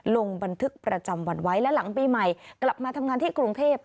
ลงบันทึกประจำวันไว้และหลังปีใหม่กลับมาทำงานที่กรุงเทพ